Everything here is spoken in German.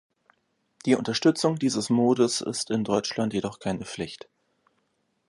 Die Unterstützung dieses Modes ist in Deutschland jedoch keine Pflicht.